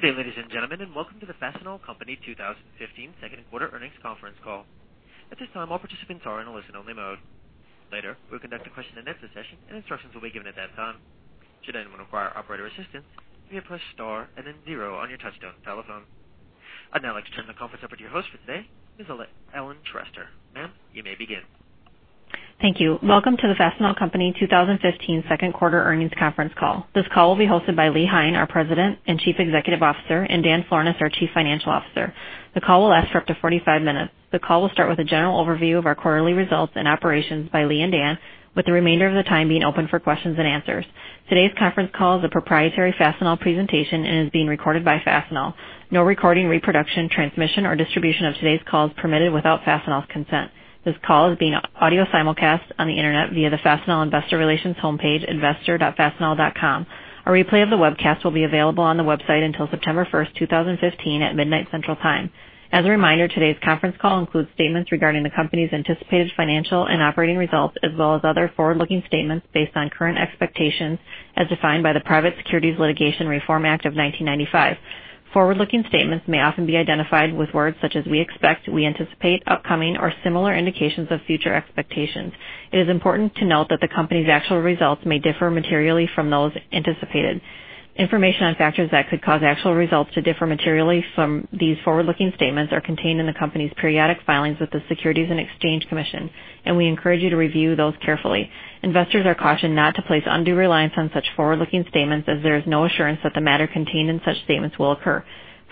Good day, ladies and gentlemen, and welcome to the Fastenal Company 2015 second quarter earnings conference call. At this time, all participants are in a listen-only mode. Later, we'll conduct a question-and-answer session, and instructions will be given at that time. Should anyone require operator assistance, you may press star and then zero on your touch-tone telephone. I'd now like to turn the conference over to your host for today, Ms. Ellen Tresser. Ma'am, you may begin. Thank you. Welcome to the Fastenal Company 2015 second quarter earnings conference call. This call will be hosted by Leland Hein, our President and Chief Executive Officer, and Daniel Florness, our Chief Financial Officer. The call will last for up to 45 minutes. The call will start with a general overview of our quarterly results and operations by Lee and Dan, with the remainder of the time being open for questions and answers. Today's conference call is a proprietary Fastenal presentation and is being recorded by Fastenal. No recording, reproduction, transmission, or distribution of today's call is permitted without Fastenal's consent. This call is being audio simulcast on the Internet via the Fastenal Investor Relations homepage, investor.fastenal.com. A replay of the webcast will be available on the website until September 1st, 2015, at midnight Central Time. As a reminder, today's conference call includes statements regarding the company's anticipated financial and operating results, as well as other forward-looking statements based on current expectations as defined by the Private Securities Litigation Reform Act of 1995. Forward-looking statements may often be identified with words such as "we expect," "we anticipate," "upcoming," or similar indications of future expectations. It is important to note that the company's actual results may differ materially from those anticipated. Information on factors that could cause actual results to differ materially from these forward-looking statements are contained in the company's periodic filings with the Securities and Exchange Commission, and we encourage you to review those carefully. Investors are cautioned not to place undue reliance on such forward-looking statements as there is no assurance that the matter contained in such statements will occur.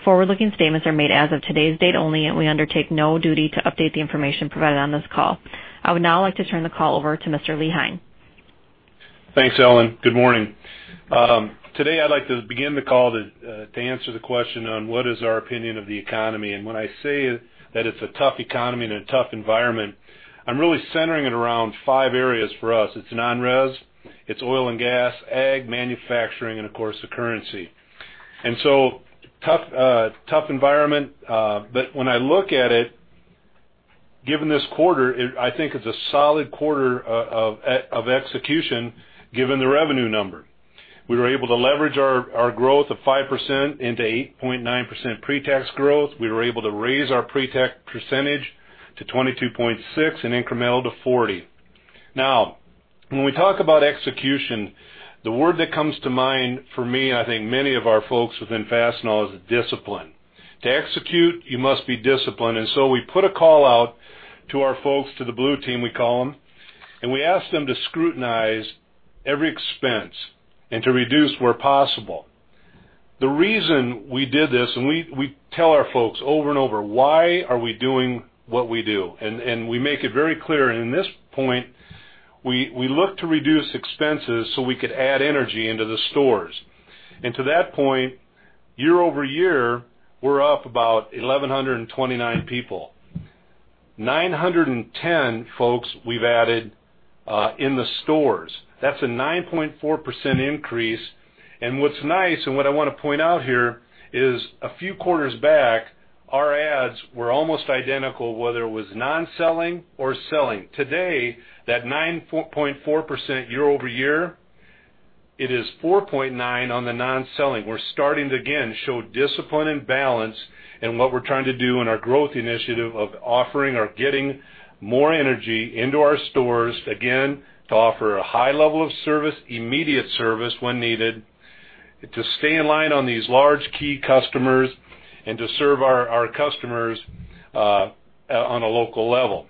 Forward-looking statements are made as of today's date only, and we undertake no duty to update the information provided on this call. I would now like to turn the call over to Mr. Leland Hein. Thanks, Ellen. Good morning. Today, I'd like to begin the call to answer the question on what is our opinion of the economy. When I say that it's a tough economy and a tough environment, I'm really centering it around five areas for us. It's non-res, it's oil and gas, ag, manufacturing, and of course, the currency. Tough environment, but when I look at it, given this quarter, I think it's a solid quarter of execution given the revenue number. We were able to leverage our growth of 5% into 8.9% pretax growth. We were able to raise our pretax percentage to 22.6% and incremental to 40%. Now, when we talk about execution, the word that comes to mind for me, and I think many of our folks within Fastenal, is discipline. To execute, you must be disciplined. We put a call out to our folks, to the blue team, we call them, and we asked them to scrutinize every expense and to reduce where possible. The reason we did this, and we tell our folks over and over, why are we doing what we do? We make it very clear, and in this point, we look to reduce expenses so we could add energy into the stores. To that point, year-over-year, we're up about 1,129 people. 910 folks we've added in the stores. That's a 9.4% increase, and what's nice, and what I want to point out here is a few quarters back, our ads were almost identical, whether it was non-selling or selling. Today, that 9.4% year-over-year, it is 4.9% on the non-selling. We're starting to again show discipline and balance in what we're trying to do in our growth initiative of offering or getting more energy into our stores, again, to offer a high level of service, immediate service when needed, to stay in line on these large key customers, and to serve our customers on a local level.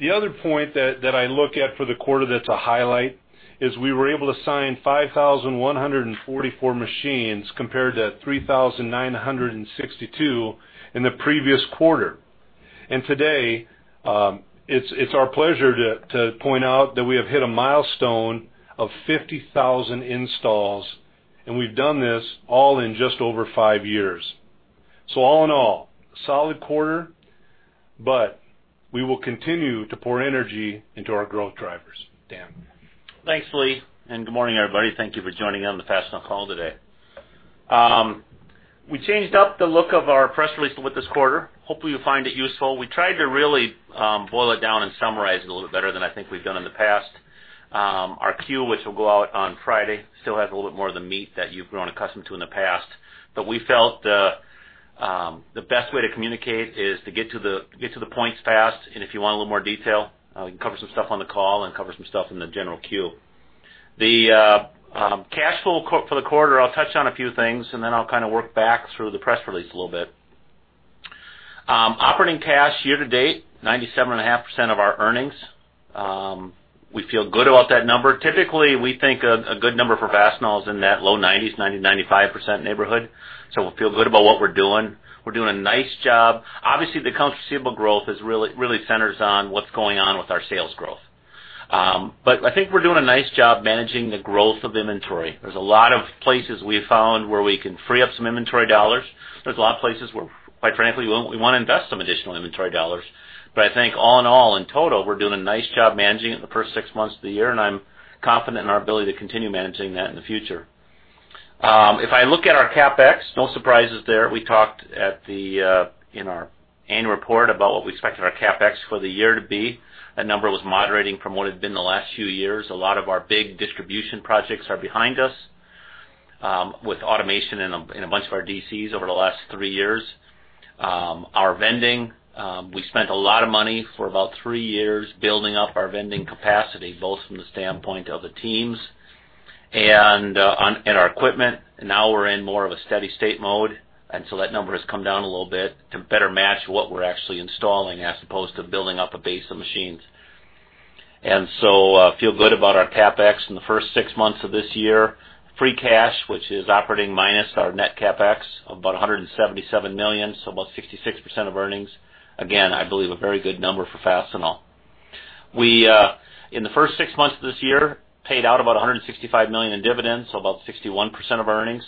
The other point that I look at for the quarter that's a highlight is we were able to sign 5,144 machines compared to 3,962 in the previous quarter. Today, it's our pleasure to point out that we have hit a milestone of 50,000 installs, and we've done this all in just over five years. All in all, solid quarter, but we will continue to pour energy into our growth drivers. Daniel. Thanks, Leland, good morning, everybody. Thank you for joining on the Fastenal call today. We changed up the look of our press release with this quarter. Hopefully, you'll find it useful. We tried to really boil it down and summarize it a little bit better than I think we've done in the past. Our Q, which will go out on Friday, still has a little bit more of the meat that you've grown accustomed to in the past. We felt the best way to communicate is to get to the points fast, and if you want a little more detail, we can cover some stuff on the call and cover some stuff in the general Q. The cash flow for the quarter, I'll touch on a few things, and then I'll kind of work back through the press release a little bit. Operating cash year to date, 97.5% of our earnings. We feel good about that number. Typically, we think a good number for Fastenal is in that low 90s, 90-95% neighborhood. We feel good about what we're doing. We're doing a nice job. Obviously, the accounts receivable growth really centers on what's going on with our sales growth. I think we're doing a nice job managing the growth of inventory. There's a lot of places we found where we can free up some inventory dollars. There's a lot of places where, quite frankly, we want to invest some additional inventory dollars. I think all in all, in total, we're doing a nice job managing it in the first six months of the year, and I'm confident in our ability to continue managing that in the future. If I look at our CapEx, no surprises there. We talked in our annual report about what we expected our CapEx for the year to be. That number was moderating from what it had been the last few years. A lot of our big distribution projects are behind us. With automation in a bunch of our DCs over the last three years. Our vending, we spent a lot of money for about three years building up our vending capacity, both from the standpoint of the teams and our equipment. Now we're in more of a steady state mode, that number has come down a little bit to better match what we're actually installing as opposed to building up a base of machines. Feel good about our CapEx in the first six months of this year. Free cash, which is operating minus our net CapEx, about $177 million, about 66% of earnings. Again, I believe a very good number for Fastenal. We, in the first six months of this year, paid out about $165 million in dividends, about 61% of earnings.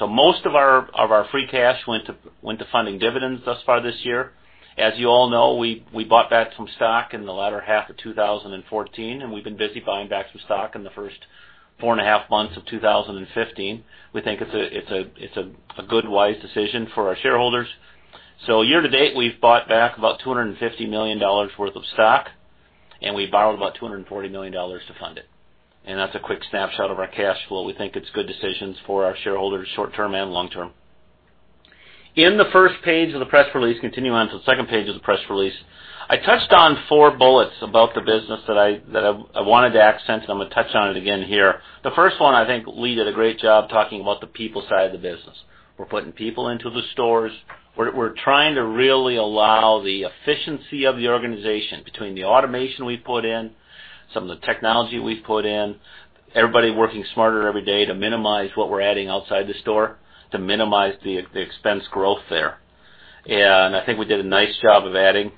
Most of our free cash went to funding dividends thus far this year. As you all know, we bought back some stock in the latter half of 2014, and we've been busy buying back some stock in the first four and a half months of 2015. We think it's a good, wise decision for our shareholders. Year-to-date, we've bought back about $250 million worth of stock, and we borrowed about $240 million to fund it. That's a quick snapshot of our cash flow. We think it's good decisions for our shareholders short-term and long-term. In the first page of the press release, continuing on to the second page of the press release. I touched on four bullets about the business that I wanted to accent, I'm going to touch on it again here. The first one, I think Lee did a great job talking about the people side of the business. We're putting people into the stores. We're trying to really allow the efficiency of the organization, between the automation we've put in, some of the technology we've put in, everybody working smarter every day to minimize what we're adding outside the store, to minimize the expense growth there. I think we did a nice job of adding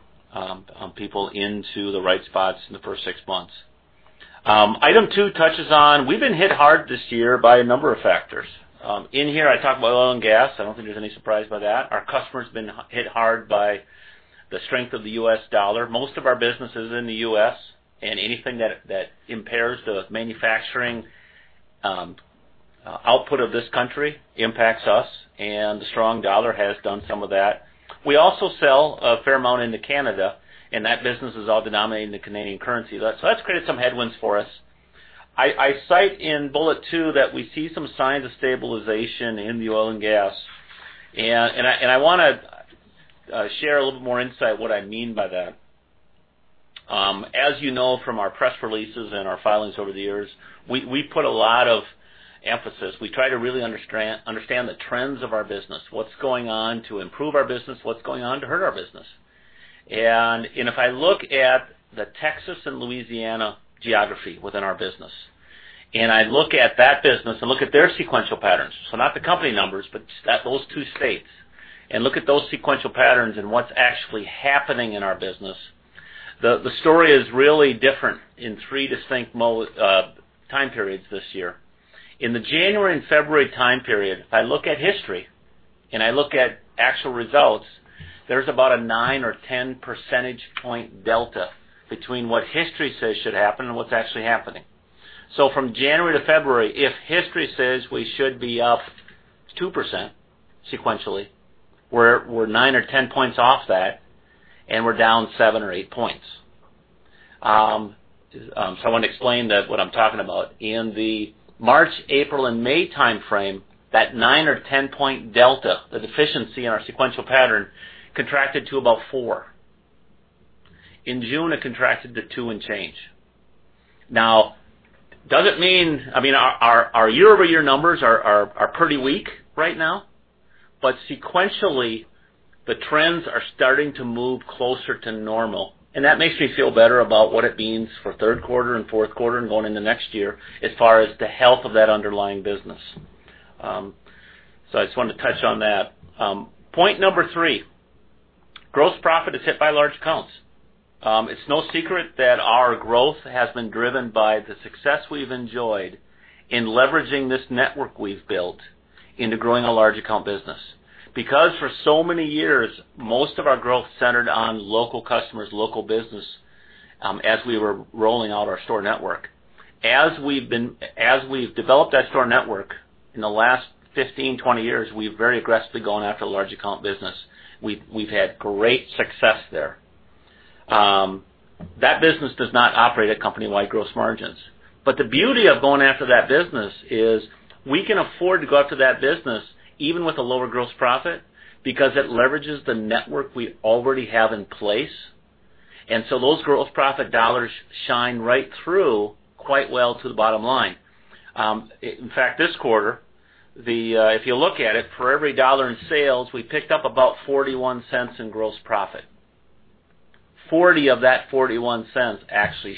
people into the right spots in the first six months. Item 2 touches on we've been hit hard this year by a number of factors. In here, I talk about oil and gas. I don't think there's any surprise by that. Our customers have been hit hard by the strength of the U.S. dollar. Most of our business is in the U.S., anything that impairs the manufacturing output of this country impacts us, and the strong dollar has done some of that. We also sell a fair amount into Canada, and that business is all denominated in the Canadian currency. That's created some headwinds for us. I cite in bullet 2 that we see some signs of stabilization in the oil and gas. I want to share a little bit more insight what I mean by that. As you know from our press releases and our filings over the years, we put a lot of emphasis. We try to really understand the trends of our business, what's going on to improve our business, what's going on to hurt our business. If I look at the Texas and Louisiana geography within our business, I look at that business and look at their sequential patterns, not the company numbers, but those two states, look at those sequential patterns and what's actually happening in our business, the story is really different in three distinct time periods this year. In the January and February time period, if I look at history and I look at actual results, there's about a 9 or 10 percentage point delta between what history says should happen and what's actually happening. From January to February, if history says we should be up 2% sequentially, we're 9 or 10 points off that, and we're down 7 or 8 points. I want to explain what I'm talking about. In the March, April, and May timeframe, that 9 or 10-point delta, the deficiency in our sequential pattern, contracted to about four. In June, it contracted to two and change. Our year-over-year numbers are pretty weak right now. Sequentially, the trends are starting to move closer to normal, and that makes me feel better about what it means for third quarter and fourth quarter and going into next year as far as the health of that underlying business. I just wanted to touch on that. Point number 3, gross profit is hit by large accounts. It's no secret that our growth has been driven by the success we've enjoyed in leveraging this network we've built into growing a large account business. For so many years, most of our growth centered on local customers, local business, as we were rolling out our store network. As we've developed that store network in the last 15, 20 years, we've very aggressively gone after large account business. We've had great success there. That business does not operate at company-wide gross margins. The beauty of going after that business is we can afford to go after that business even with a lower gross profit because it leverages the network we already have in place. Those gross profit dollars shine right through quite well to the bottom line. In fact, this quarter, if you look at it, for every dollar in sales, we picked up about $0.41 in gross profit. 40 of that $0.41 actually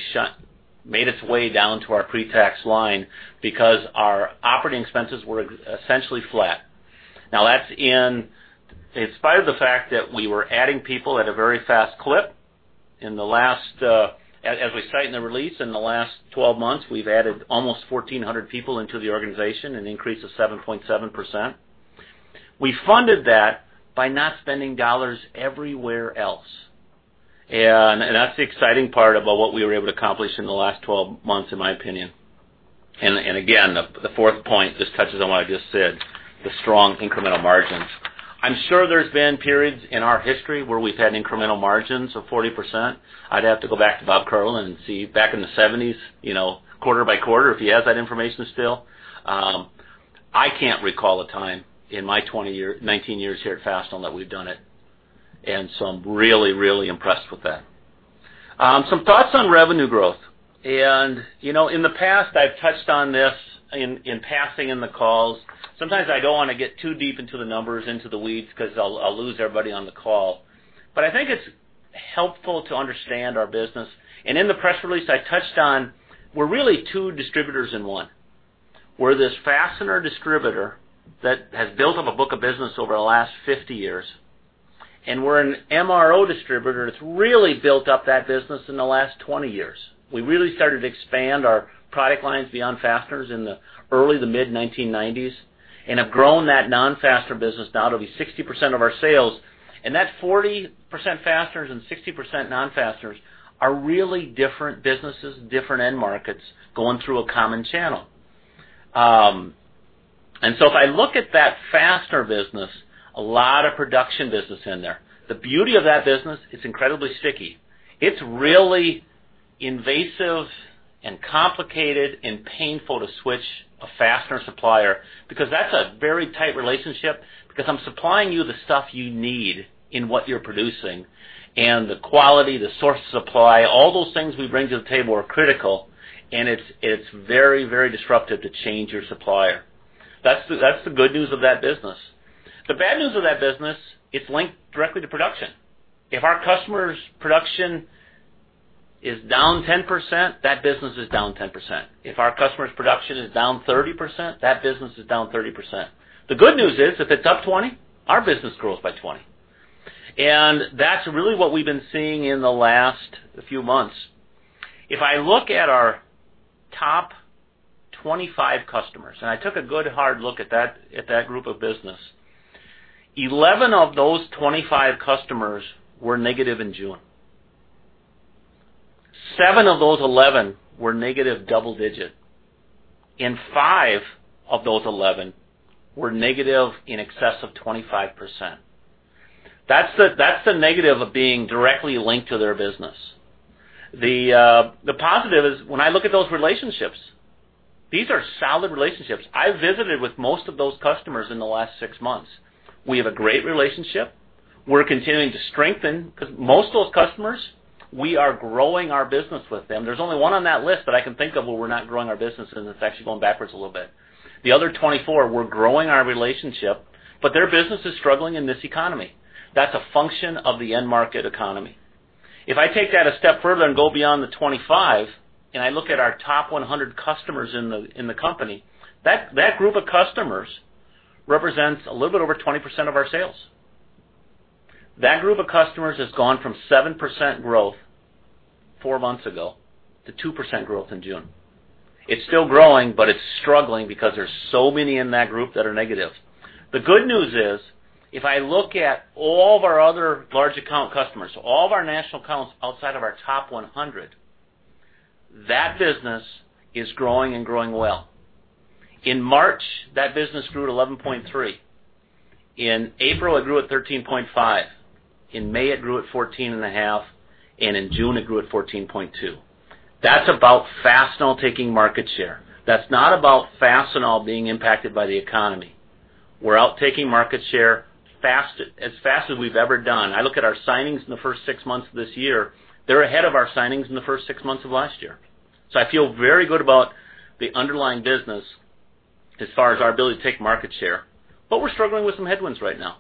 made its way down to our pre-tax line because our operating expenses were essentially flat. That's in spite of the fact that we were adding people at a very fast clip. As we cite in the release, in the last 12 months, we've added almost 1,400 people into the organization, an increase of 7.7%. We funded that by not spending dollars everywhere else. That's the exciting part about what we were able to accomplish in the last 12 months, in my opinion. Again, the fourth point just touches on what I just said, the strong incremental margins. I'm sure there's been periods in our history where we've had incremental margins of 40%. I'd have to go back to Bob Kierlin and see back in the '70s, quarter by quarter, if he has that information still. I can't recall a time in my 19 years here at Fastenal that we've done it. So I'm really, really impressed with that. Some thoughts on revenue growth. In the past, I've touched on this in passing in the calls. Sometimes I don't want to get too deep into the numbers, into the weeds, because I'll lose everybody on the call. I think it's helpful to understand our business. In the press release I touched on, we're really two distributors in one. We're this fastener distributor that has built up a book of business over the last 50 years, and we're an MRO distributor that's really built up that business in the last 20 years. We really started to expand our product lines beyond fasteners in the early to mid 1990s and have grown that non-fastener business now to be 60% of our sales. That 40% fasteners and 60% non-fasteners are really different businesses, different end markets, going through a common channel. So if I look at that fastener business, a lot of production business in there. The beauty of that business, it's incredibly sticky. It's really invasive and complicated and painful to switch a fastener supplier, because that's a very tight relationship. I'm supplying you the stuff you need in what you're producing, and the quality, the source supply, all those things we bring to the table are critical, and it's very disruptive to change your supplier. That's the good news of that business. The bad news of that business, it's linked directly to production. If our customer's production is down 10%, that business is down 10%. If our customer's production is down 30%, that business is down 30%. The good news is, if it's up 20, our business grows by 20. That's really what we've been seeing in the last few months. If I look at our top 25 customers, and I took a good hard look at that group of business, 11 of those 25 customers were negative in June. Seven of those 11 were negative double digit, and five of those 11 were negative in excess of 25%. That's the negative of being directly linked to their business. The positive is, when I look at those relationships, these are solid relationships. I visited with most of those customers in the last six months. We have a great relationship. We're continuing to strengthen, because most of those customers, we are growing our business with them. There's only one on that list that I can think of where we're not growing our business, and it's actually going backwards a little bit. The other 24, we're growing our relationship, but their business is struggling in this economy. That's a function of the end market economy. If I take that a step further and go beyond the 25, I look at our top 100 customers in the company, that group of customers represents a little bit over 20% of our sales. That group of customers has gone from 7% growth four months ago to 2% growth in June. It's still growing, but it's struggling because there's so many in that group that are negative. The good news is, if I look at all of our other large account customers, all of our national accounts outside of our top 100, that business is growing and growing well. In March, that business grew at 11.3. In April, it grew at 13.5. In May, it grew at 14.5. In June, it grew at 14.2. That's about Fastenal taking market share. That's not about Fastenal being impacted by the economy. We're out taking market share as fast as we've ever done. I look at our signings in the first six months of this year. They're ahead of our signings in the first six months of last year. I feel very good about the underlying business as far as our ability to take market share, but we're struggling with some headwinds right now.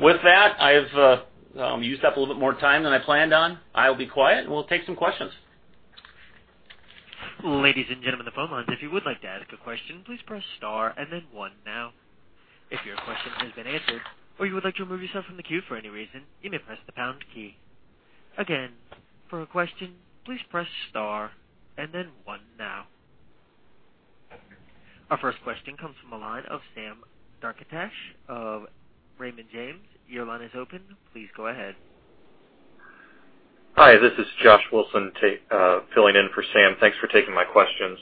With that, I've used up a little bit more time than I planned on. I will be quiet, and we'll take some questions. Ladies and gentlemen, the phone lines. If you would like to ask a question, please press star and then 1 now. If your question has been answered or you would like to remove yourself from the queue for any reason, you may press the pound key. Again, for a question, please press star and then 1 now. Our first question comes from the line of Sam Darkatsh of Raymond James. Your line is open. Please go ahead. Hi, this is Josh Wilson filling in for Sam. Thanks for taking my questions.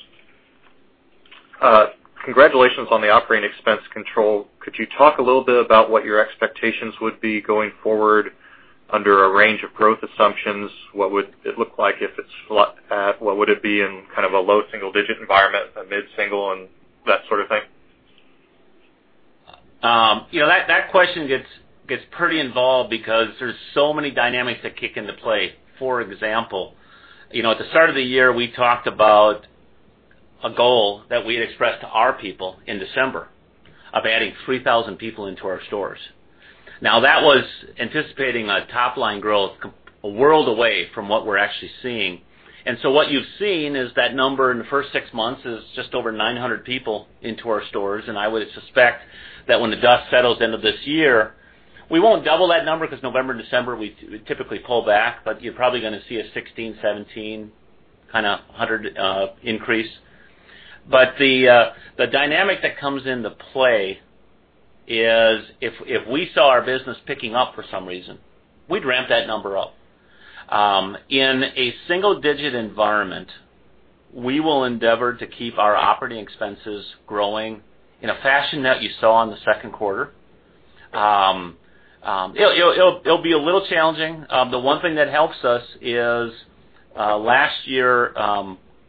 Congratulations on the operating expense control. Could you talk a little bit about what your expectations would be going forward under a range of growth assumptions? What would it look like if it's flat? What would it be in kind of a low single digit environment, a mid-single, and that sort of thing? That question gets pretty involved because there's so many dynamics that kick into play. For example, at the start of the year, we talked about a goal that we had expressed to our people in December of adding 3,000 people into our stores. That was anticipating a top-line growth a world away from what we're actually seeing. What you've seen is that number in the first six months is just over 900 people into our stores, and I would suspect that when the dust settles end of this year, we won't double that number because November and December, we typically pull back, you're probably going to see a 1,600, 1,700 kind of increase. The dynamic that comes into play is if we saw our business picking up for some reason, we'd ramp that number up. In a single-digit environment, we will endeavor to keep our operating expenses growing in a fashion that you saw in the second quarter. It'll be a little challenging. The one thing that helps us is last year,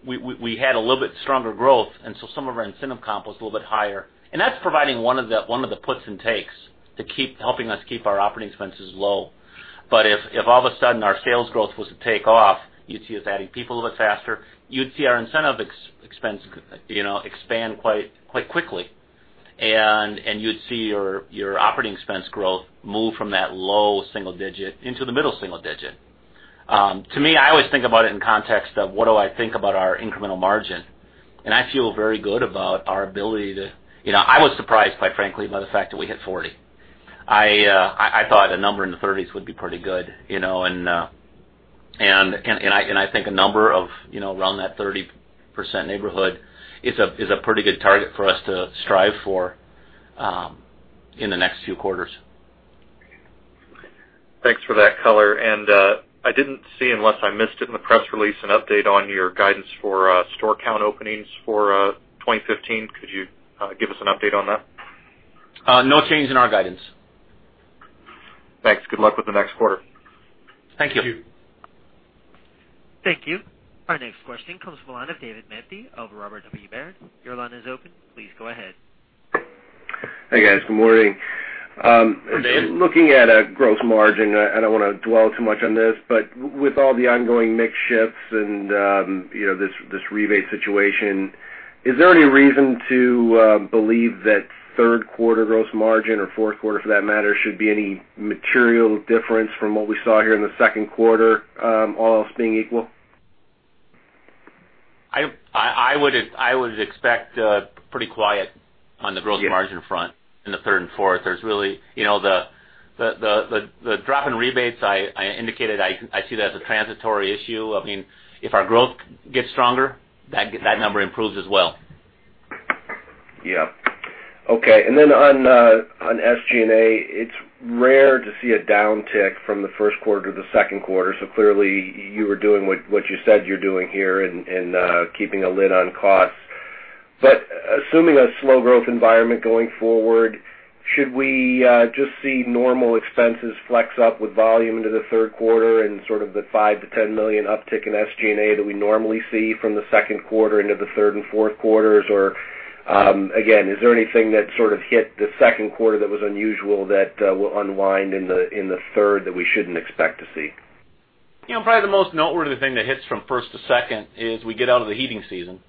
we had a little bit stronger growth, some of our incentive comp was a little bit higher, and that's providing one of the puts and takes to keep helping us keep our operating expenses low. If all of a sudden our sales growth was to take off, you'd see us adding people a bit faster. You'd see our incentive expense expand quite quickly. You'd see your operating expense growth move from that low single digit into the middle single digit. To me, I always think about it in context of what do I think about our incremental margin, I feel very good about our ability to I was surprised, quite frankly, by the fact that we hit 40. I thought a number in the 30s would be pretty good. I think a number of around that 30% neighborhood is a pretty good target for us to strive for in the next few quarters. Thanks for that color. I didn't see, unless I missed it in the press release, an update on your guidance for store count openings for 2015. Could you give us an update on that? No change in our guidance. Thanks. Good luck with the next quarter. Thank you. Thank you. Our next question comes from the line of David Manthey of Robert W. Baird. Your line is open. Please go ahead. Hey, guys. Good morning. Good day. Looking at a gross margin, I don't want to dwell too much on this, but with all the ongoing mix shifts and this rebate situation, is there any reason to believe that third quarter gross margin or fourth quarter, for that matter, should be any material difference from what we saw here in the second quarter, all else being equal? I would expect pretty quiet on the gross margin front in the third and fourth. The drop in rebates I indicated, I see that as a transitory issue. If our growth gets stronger, that number improves as well. Yeah. Okay. On SG&A, it's rare to see a downtick from the first quarter to the second quarter. Clearly, you were doing what you said you're doing here and keeping a lid on costs. Assuming a slow growth environment going forward, should we just see normal expenses flex up with volume into the third quarter and sort of the $5 million-$10 million uptick in SG&A that we normally see from the second quarter into the third and fourth quarters? Again, is there anything that sort of hit the second quarter that was unusual that will unwind in the third that we shouldn't expect to see? Probably the most noteworthy thing that hits from first to second is we get out of the heating season.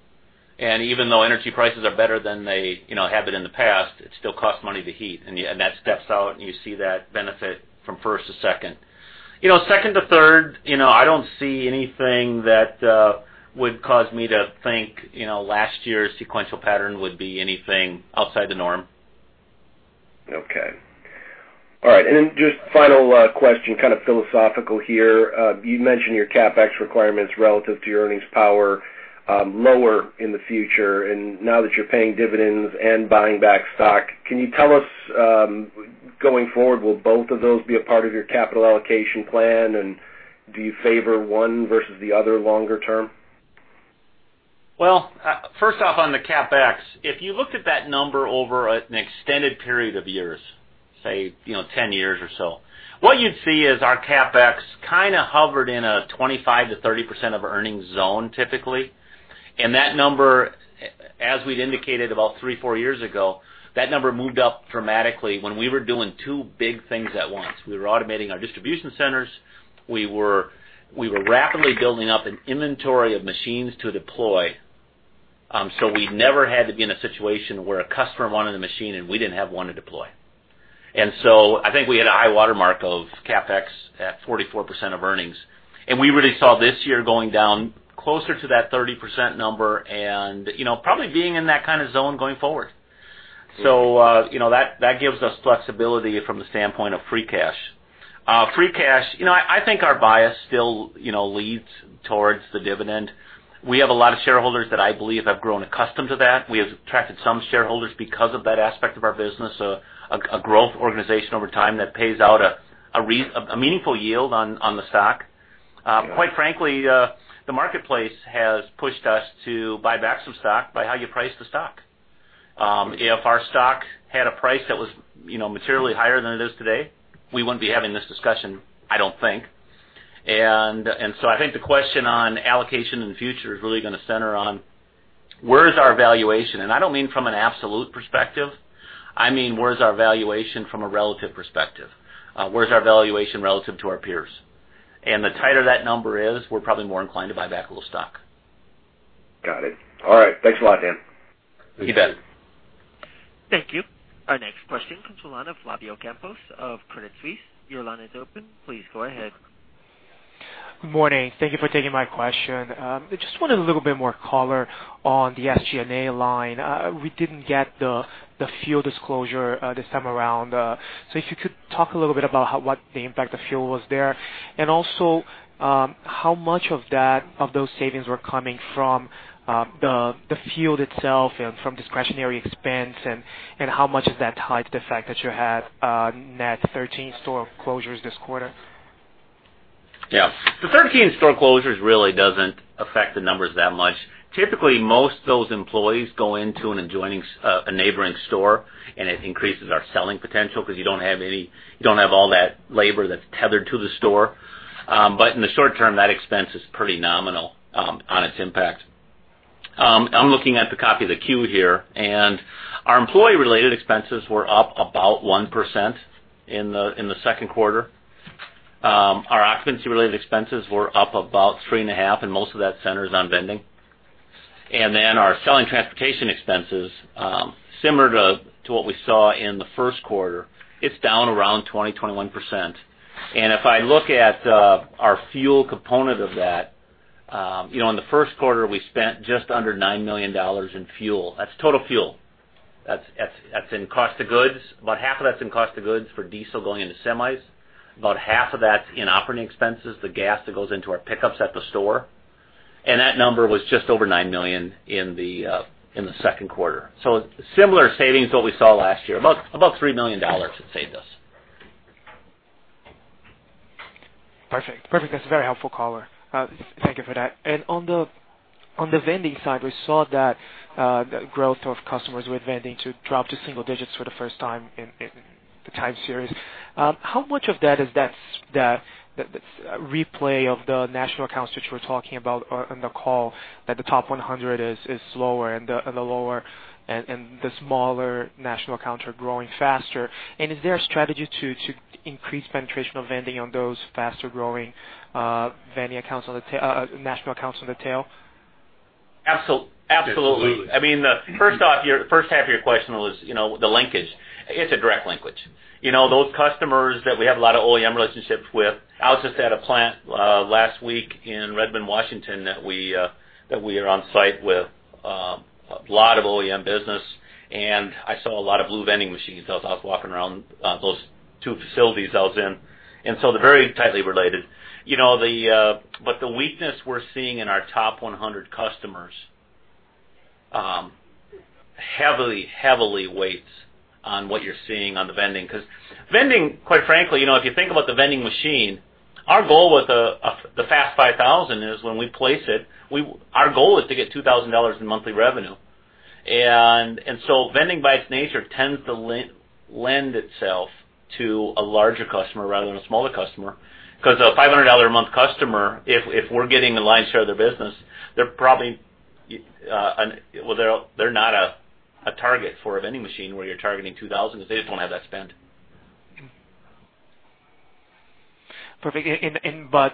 Even though energy prices are better than they have been in the past, it still costs money to heat, and that steps out, and you see that benefit from first to second. Second to third, I don't see anything that would cause me to think last year's sequential pattern would be anything outside the norm. Okay. All right. Just final question, kind of philosophical here. You mentioned your CapEx requirements relative to your earnings power lower in the future. Now that you're paying dividends and buying back stock, can you tell us, going forward, will both of those be a part of your capital allocation plan? Do you favor one versus the other longer term? First off on the CapEx, if you looked at that number over an extended period of years, say 10 years or so, what you'd see is our CapEx kind of hovered in a 25%-30% of earnings zone typically. That number, as we'd indicated about three, four years ago, that number moved up dramatically when we were doing two big things at once. We were automating our Distribution Centers. We were rapidly building up an inventory of machines to deploy, so we never had to be in a situation where a customer wanted a machine, and we didn't have one to deploy. I think we had a high watermark of CapEx at 44% of earnings, and we really saw this year going down closer to that 30% number and probably being in that kind of zone going forward. That gives us flexibility from the standpoint of free cash. Free cash, I think our bias still leads towards the dividend. We have a lot of shareholders that I believe have grown accustomed to that. We have attracted some shareholders because of that aspect of our business, a growth organization over time that pays out a meaningful yield on the stock. Quite frankly, the marketplace has pushed us to buy back some stock by how you price the stock. If our stock had a price that was materially higher than it is today, we wouldn't be having this discussion, I don't think. I think the question on allocation in the future is really going to center on where is our valuation. I don't mean from an absolute perspective. I mean, where is our valuation from a relative perspective? Where's our valuation relative to our peers? The tighter that number is, we're probably more inclined to buy back a little stock. Got it. All right. Thanks a lot, Dan. You bet. Thank you. Our next question comes to line of Flavio Campos of Credit Suisse. Your line is open. Please go ahead. Good morning. Thank you for taking my question. I just wanted a little bit more color on the SG&A line. We didn't get the field disclosure this time around. If you could talk a little bit about what the impact of fuel was there. Also, how much of those savings were coming from the field itself and from discretionary expense, and how much is that tied to the fact that you had net 13 store closures this quarter? Yeah. The 13 store closures really doesn't affect the numbers that much. Typically, most of those employees go into a neighboring store, and it increases our selling potential because you don't have all that labor that's tethered to the store. In the short term, that expense is pretty nominal on its impact. I'm looking at the copy of the Q here. Our employee-related expenses were up about 1% in the second quarter. Our occupancy-related expenses were up about 3.5%, and most of that centers on vending. Our selling transportation expenses, similar to what we saw in the first quarter, it's down around 20%, 21%. If I look at our fuel component of that, in the first quarter, we spent just under $9 million in fuel. That's total fuel. That's in cost of goods. About half of that's in cost of goods for diesel going into semis. About half of that's in operating expenses, the gas that goes into our pickups at the store. That number was just over $9 million in the second quarter. Similar savings to what we saw last year. About $3 million it saved us. Perfect. That's very helpful, caller. Thank you for that. On the vending side, we saw that growth of customers with vending to drop to single digits for the first time in the time series. How much of that is that replay of the national accounts, which we're talking about on the call, that the top 100 is slower and the smaller national accounts are growing faster. Is there a strategy to increase penetration of vending on those faster-growing national accounts on the tail? Absolutely. First half of your question was the linkage. It's a direct linkage. Those customers that we have a lot of OEM relationships with, I was just at a plant last week in Redmond, Washington, that we are on site with a lot of OEM business, I saw a lot of blue vending machines as I was walking around those two facilities I was in. They're very tightly related. The weakness we're seeing in our top 100 customers heavily weights on what you're seeing on the vending. Vending, quite frankly, if you think about the vending machine, our goal with the FAST 5000 is when we place it, our goal is to get $2,000 in monthly revenue. Vending, by its nature, tends to lend itself to a larger customer rather than a smaller customer. A $500 a month customer, if we're getting the lion's share of their business, they're not a target for a vending machine where you're targeting $2,000 because they just won't have that spend. Perfect.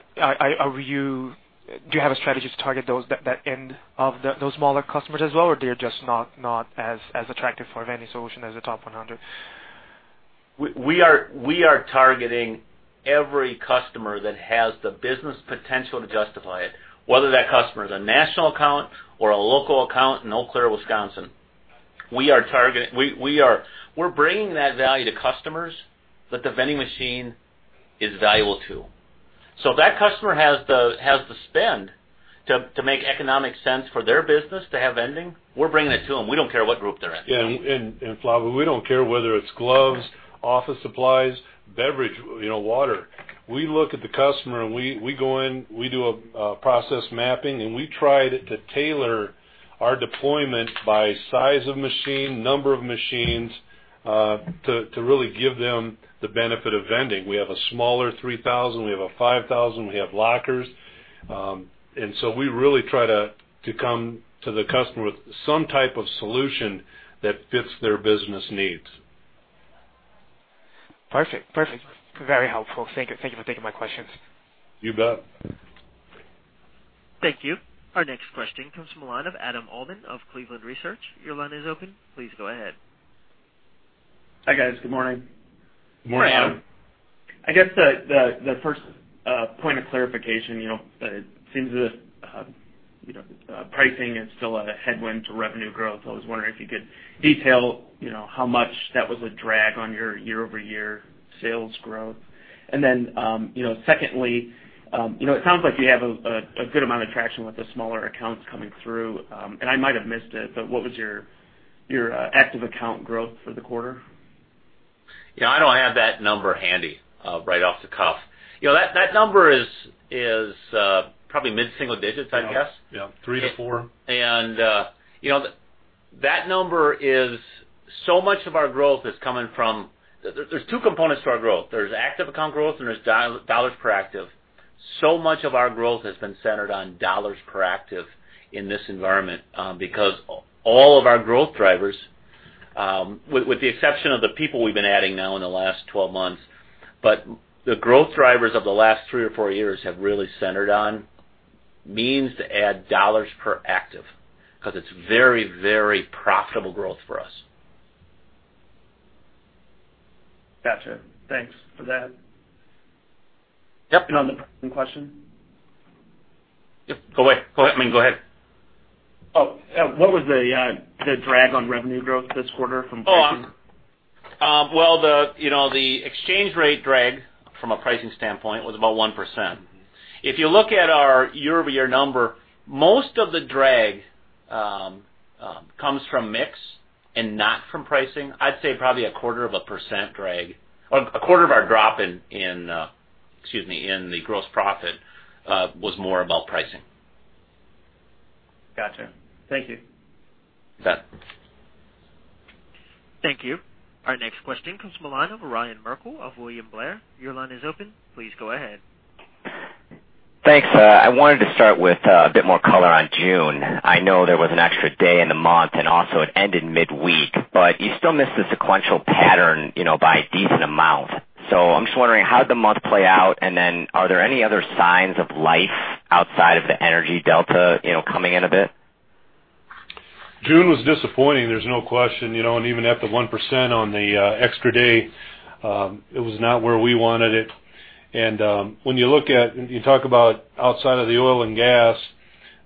Do you have a strategy to target that end of those smaller customers as well, or they're just not as attractive for a vending solution as the top 100? We are targeting every customer that has the business potential to justify it, whether that customer is a national account or a local account in Eau Claire, Wisconsin. We're bringing that value to customers that the vending machine is valuable to. If that customer has the spend to make economic sense for their business to have vending, we're bringing it to them. We don't care what group they're in. Yeah, Flavio, we don't care whether it's gloves, office supplies, beverage, water. We look at the customer, and we go in, we do a process mapping, and we try to tailor our deployment by size of machine, number of machines, to really give them the benefit of vending. We have a smaller 3,000, we have a FAST 5000, we have lockers. We really try to come to the customer with some type of solution that fits their business needs. Perfect. Very helpful. Thank you for taking my questions. You bet. Thank you. Our next question comes from the line of Adam Uhlman of Cleveland Research. Your line is open. Please go ahead. Hi, guys. Good morning. Morning. Hi, Adam. I guess the first point of clarification, it seems the pricing is still a headwind to revenue growth. I was wondering if you could detail how much that was a drag on your year-over-year sales growth. Then, secondly, it sounds like you have a good amount of traction with the smaller accounts coming through. I might have missed it, but what was your active account growth for the quarter? Yeah, I don't have that number handy right off the cuff. That number is probably mid-single digits, I'd guess. Yeah. Three to four. That number is, so much of our growth is coming from There's two components to our growth. There's active account growth, and there's dollars per active. Much of our growth has been centered on dollars per active in this environment, because all of our growth drivers, with the exception of the people we've been adding now in the last 12 months, but the growth drivers of the last three or four years have really centered on means to add dollars per active, because it's very, very profitable growth for us. Gotcha. Thanks for that. Yep. On the pricing question? Yep, go ahead. What was the drag on revenue growth this quarter from pricing? The exchange rate drag from a pricing standpoint was about 1%. If you look at our year-over-year number, most of the drag comes from mix And not from pricing? I'd say probably a quarter of a percent drag or a quarter of our drop in, excuse me, in the gross profit, was more about pricing. Got you. Thank you. You bet. Thank you. Our next question comes from the line of Ryan Merkel of William Blair. Your line is open. Please go ahead. Thanks. I wanted to start with a bit more color on June. I know there was an extra day in the month, and also it ended midweek, but you still missed the sequential pattern by a decent amount. I'm just wondering how did the month play out, and then are there any other signs of life outside of the energy delta coming in a bit? June was disappointing, there's no question. Even at the 1% on the extra day, it was not where we wanted it. When you look at outside of the oil and gas,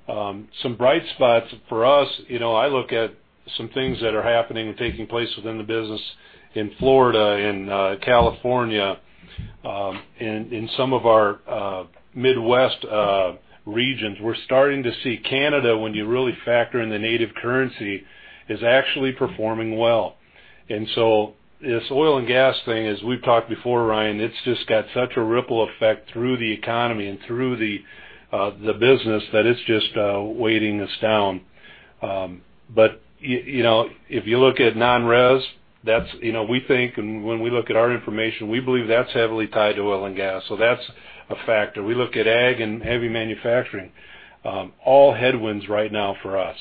some bright spots for us, I look at some things that are happening and taking place within the business in Florida and California, and in some of our Midwest regions. We're starting to see Canada, when you really factor in the native currency, is actually performing well. This oil and gas thing, as we've talked before, Ryan, it's just got such a ripple effect through the economy and through the business that it's just weighting us down. If you look at non-res, we think and when we look at our information, we believe that's heavily tied to oil and gas. That's a factor. We look at ag and heavy manufacturing. All headwinds right now for us.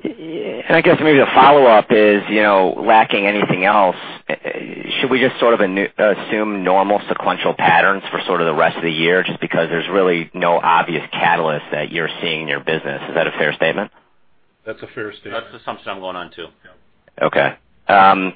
I guess maybe the follow-up is, lacking anything else, should we just sort of assume normal sequential patterns for sort of the rest of the year, just because there's really no obvious catalyst that you're seeing in your business? Is that a fair statement? That's a fair statement. That's the assumption I'm going on, too. Okay. The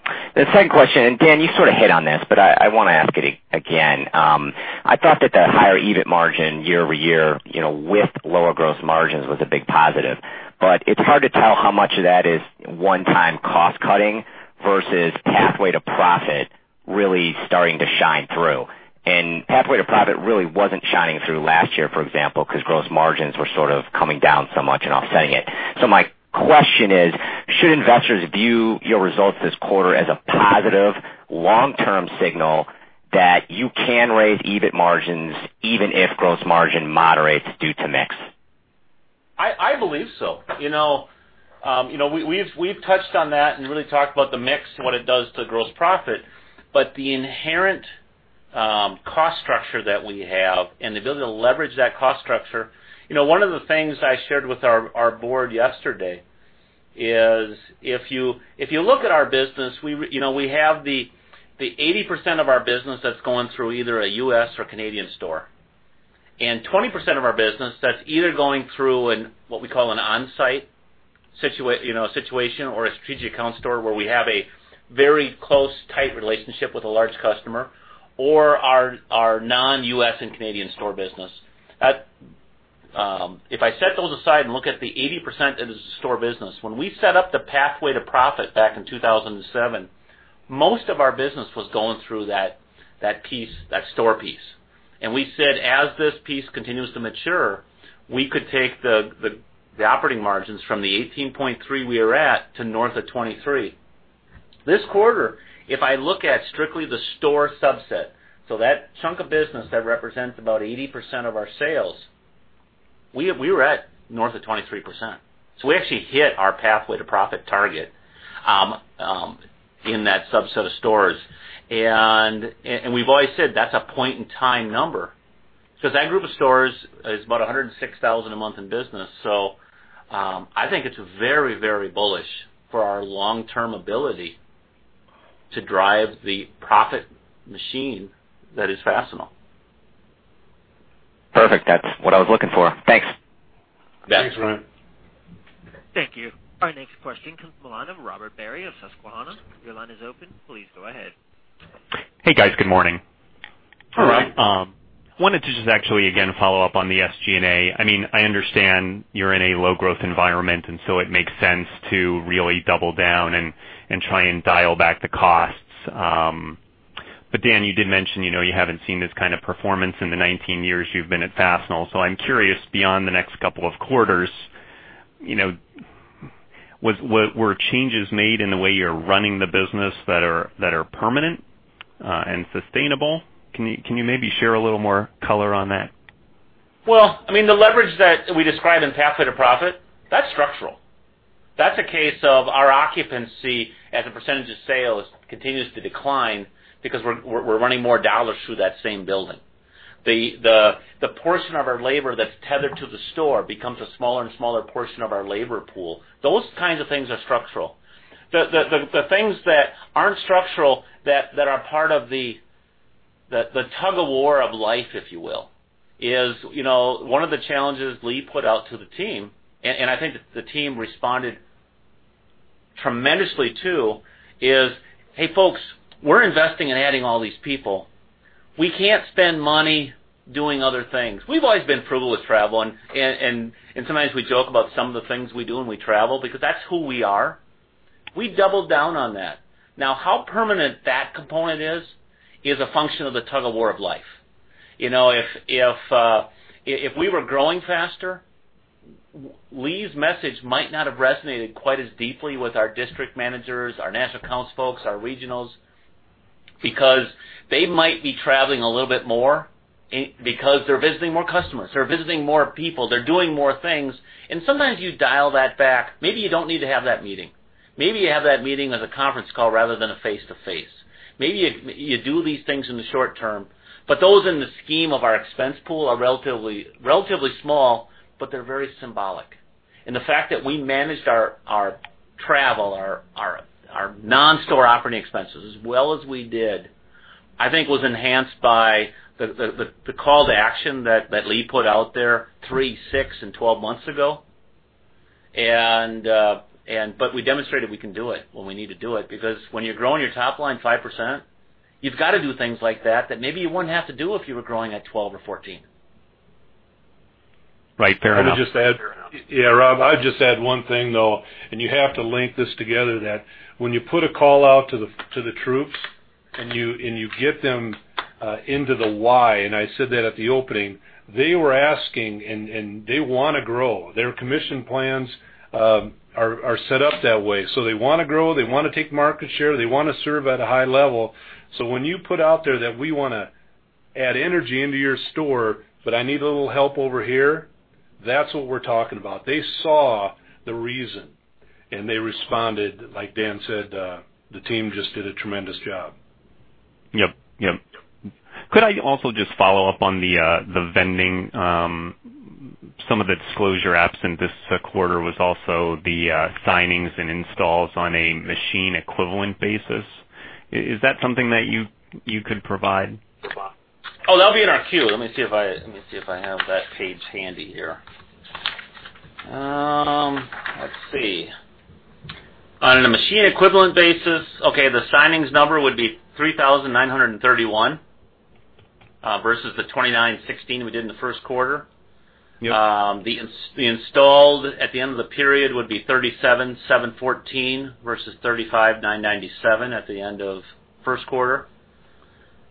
second question, Dan, you sort of hit on this, but I want to ask it again. I thought that the higher EBIT margin year-over-year with lower gross margins was a big positive, but it's hard to tell how much of that is one-time cost-cutting versus Pathway to Profit really starting to shine through. Pathway to Profit really wasn't shining through last year, for example, because gross margins were sort of coming down so much and offsetting it. My question is, should investors view your results this quarter as a positive long-term signal that you can raise EBIT margins even if gross margin moderates due to mix? I believe so. We've touched on that and really talked about the mix and what it does to gross profit, but the inherent cost structure that we have and the ability to leverage that cost structure. One of the things I shared with our board yesterday is if you look at our business, we have the 80% of our business that's going through either a U.S. or Canadian store, and 20% of our business that's either going through in what we call an on-site situation or a strategic account store where we have a very close, tight relationship with a large customer, or our non-U.S. and Canadian store business. If I set those aside and look at the 80% of the store business, when we set up the Pathway to Profit back in 2007, most of our business was going through that store piece. We said, as this piece continues to mature, we could take the operating margins from the 18.3% we are at to north of 23%. This quarter, if I look at strictly the store subset, so that chunk of business that represents about 80% of our sales, we were at north of 23%. We actually hit our Pathway to Profit target in that subset of stores. We've always said that's a point-in-time number because that group of stores is about 106,000 a month in business. I think it's very bullish for our long-term ability to drive the profit machine that is Fastenal. Perfect. That's what I was looking for. Thanks. Yeah. Thanks, Ryan. Thank you. Our next question comes from the line of Robert Barry of Susquehanna. Your line is open. Please go ahead. Hey, guys. Good morning. Good morning. Wanted to just actually again follow up on the SG&A. I mean, I understand you're in a low-growth environment, it makes sense to really double down and try and dial back the costs. Dan, you did mention you haven't seen this kind of performance in the 19 years you've been at Fastenal, I'm curious, beyond the next couple of quarters, were changes made in the way you're running the business that are permanent and sustainable? Can you maybe share a little more color on that? Well, I mean, the leverage that we describe in Pathway to Profit, that's structural. That's a case of our occupancy as a percentage of sales continues to decline because we're running more dollars through that same building. The portion of our labor that's tethered to the store becomes a smaller and smaller portion of our labor pool. Those kinds of things are structural. The things that aren't structural, that are part of the tug-of-war of life, if you will, is one of the challenges Lee put out to the team, I think the team responded tremendously, too, is, "Hey, folks, we're investing in adding all these people. We can't spend money doing other things." We've always been frugal with travel, sometimes we joke about some of the things we do when we travel because that's who we are. We doubled down on that. How permanent that component is a function of the tug-of-war of life. If we were growing faster, Lee's message might not have resonated quite as deeply with our district managers, our national accounts folks, our regionals, because they might be traveling a little bit more because they're visiting more customers, they're visiting more people, they're doing more things. Sometimes you dial that back. Maybe you don't need to have that meeting. Maybe you have that meeting as a conference call rather than a face-to-face. Maybe you do these things in the short term. Those in the scheme of our expense pool are relatively small, but they're very symbolic. The fact that we managed our travel, our non-store operating expenses as well as we did, I think was enhanced by the call to action that Lee put out there three, six, and 12 months ago. We demonstrated we can do it when we need to do it, because when you're growing your top line 5%, you've got to do things like that maybe you wouldn't have to do if you were growing at 12 or 14. Right. Fair enough. Yeah, Rob, I'd just add one thing, though, you have to link this together, that when you put a call out to the troops and you get them into the why, I said that at the opening, they were asking, they want to grow. Their commission plans are set up that way. They want to grow, they want to take market share, they want to serve at a high level. When you put out there that we want to add energy into your store, I need a little help over here, that's what we're talking about. They saw the reason and they responded. Like Dan said, the team just did a tremendous job. Yep. Could I also just follow up on the vending? Some of the disclosure absent this quarter was also the signings and installs on a machine equivalent basis. Is that something that you could provide? Oh, that'll be in our queue. Let me see if I have that page handy here. Let's see. On a machine equivalent basis, okay, the signings number would be 3,931 versus the 2,916 we did in the first quarter. Yep. The installed at the end of the period would be 37,714 versus 35,997 at the end of first quarter.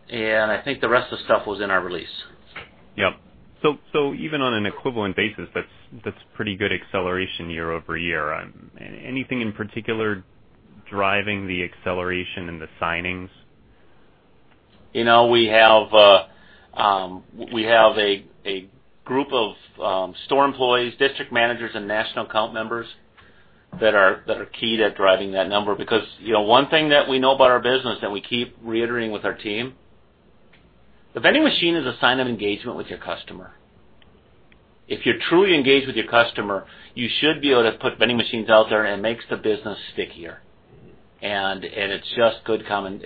I think the rest of the stuff was in our release. Yep. Even on an equivalent basis, that's pretty good acceleration year-over-year. Anything in particular driving the acceleration in the signings? We have a group of store employees, district managers, and national account members that are key to driving that number. One thing that we know about our business, and we keep reiterating with our team, the vending machine is a sign of engagement with your customer. If you're truly engaged with your customer, you should be able to put vending machines out there, and it makes the business stickier. It's just good common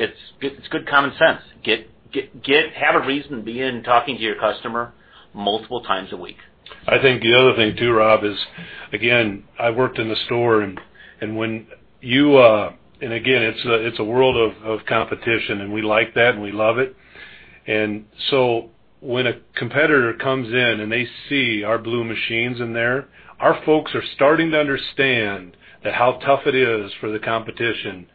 sense. Have a reason to be in talking to your customer multiple times a week. I think the other thing too, Rob, is, again, I worked in the store, again, it's a world of competition, we like that, we love it. When a competitor comes in and they see our blue machines in there, our folks are starting to understand that how tough it is for the competition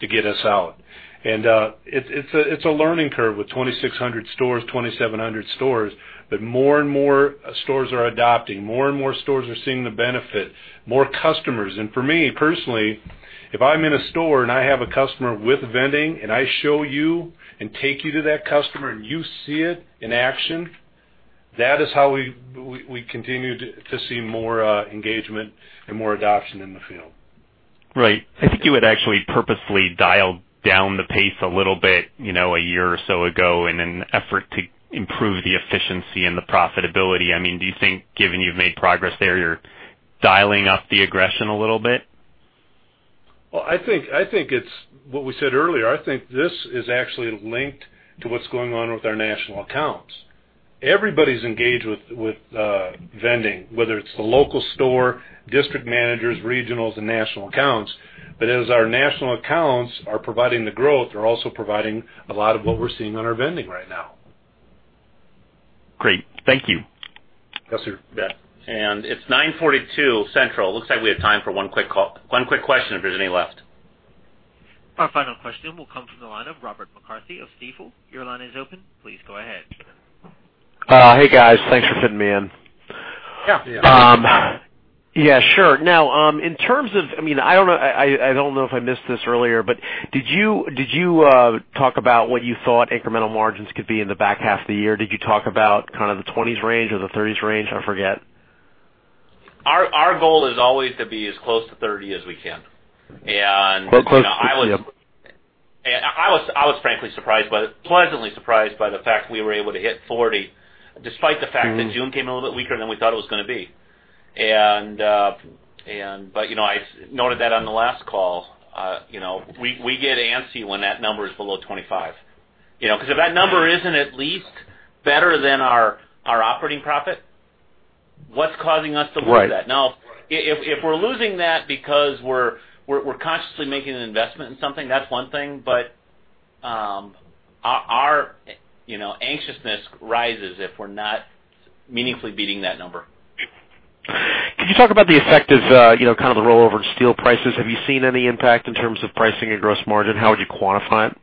to get us out. It's a learning curve with 2,600 stores, 2,700 stores, but more and more stores are adopting. More and more stores are seeing the benefit, more customers. For me personally, if I'm in a store and I have a customer with vending and I show you and take you to that customer and you see it in action, that is how we continue to see more engagement and more adoption in the field. Right. I think you had actually purposely dialed down the pace a little bit a year or so ago in an effort to improve the efficiency and the profitability. Do you think given you've made progress there, you're dialing up the aggression a little bit? Well, I think it's what we said earlier. I think this is actually linked to what's going on with our national accounts. Everybody's engaged with vending, whether it's the local store, district managers, regionals, and national accounts. As our national accounts are providing the growth, they're also providing a lot of what we're seeing on our vending right now. Great. Thank you. Yes, sir. It's 9:42 A.M. Central. Looks like we have time for one quick question if there's any left. Our final question will come from the line of Robert McCarthy of Stifel. Your line is open. Please go ahead. Hey, guys. Thanks for fitting me in. Yeah. Yeah. Yeah, sure. In terms of, I don't know if I missed this earlier, but did you talk about what you thought incremental margins could be in the back half of the year? Did you talk about kind of the twenties range or the thirties range? I forget. Our goal is always to be as close to 30 as we can. Quite close to 50. I was frankly surprised by it, pleasantly surprised by the fact we were able to hit 40, despite the fact that June came a little bit weaker than we thought it was going to be. I noted that on the last call. We get antsy when that number is below 25. If that number isn't at least better than our operating profit, what's causing us to lose that? Right. Now, if we're losing that because we're consciously making an investment in something, that's one thing, but our anxiousness rises if we're not meaningfully beating that number. Could you talk about the effect of kind of the rollover in steel prices? Have you seen any impact in terms of pricing or gross margin? How would you quantify it?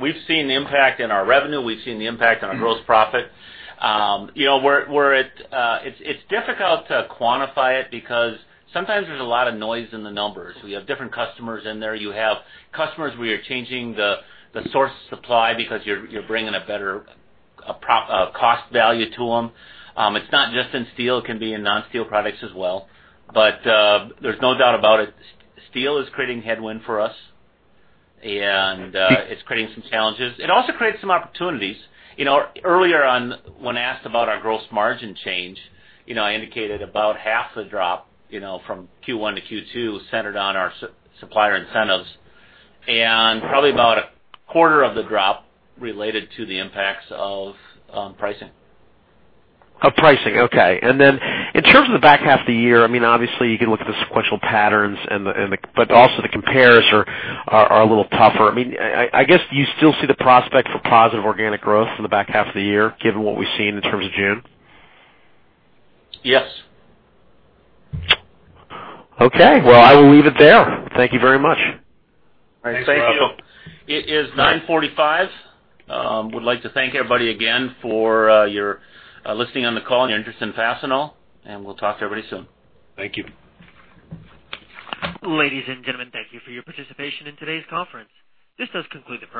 We've seen the impact in our revenue. We've seen the impact on our gross profit. It's difficult to quantify it because sometimes there's a lot of noise in the numbers. We have different customers in there. You have customers where you're changing the source supply because you're bringing a better cost value to them. It's not just in steel, it can be in non-steel products as well. There's no doubt about it, steel is creating headwind for us, and it's creating some challenges. It also creates some opportunities. Earlier on, when asked about our gross margin change, I indicated about half the drop from Q1 to Q2 centered on our supplier incentives and probably about a quarter of the drop related to the impacts of pricing. Of pricing, okay. Then in terms of the back half of the year, obviously you can look at the sequential patterns, but also the compares are a little tougher. I guess you still see the prospect for positive organic growth in the back half of the year, given what we've seen in terms of June? Yes. Okay. Well, I will leave it there. Thank you very much. Thanks, Rob. Thank you. It is 9:45. Would like to thank everybody again for your listening on the call and your interest in Fastenal, and we'll talk to everybody soon. Thank you. Ladies and gentlemen, thank you for your participation in today's conference. This does conclude the.